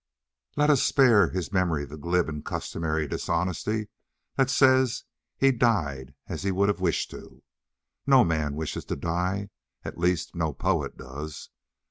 Let us spare his memory the glib and customary dishonesty that says "He died as he would have wished to." No man wishes to die at least, no poet does.